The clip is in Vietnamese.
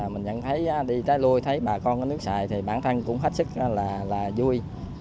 mình nhận thấy đi tới lùi thấy bà con có nước sạch thì bản thân cũng hết sức là vui